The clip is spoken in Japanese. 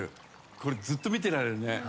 これ、ずっと見ていられるね。